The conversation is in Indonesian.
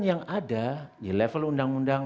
yang ada di level undang undang